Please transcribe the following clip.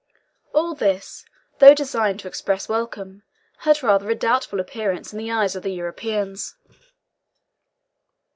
All this, though designed to express welcome, had rather a doubtful appearance in the eyes of the Europeans.